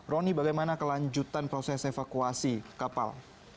roni bagaimana kelanjutan proses evakuasi kapal